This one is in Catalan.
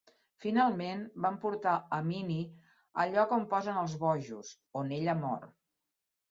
Finalment, van portar a Minnie al lloc "on posen els bojos", on ella mor.